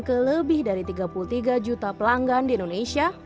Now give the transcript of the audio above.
ke lebih dari tiga puluh tiga juta pelanggan di indonesia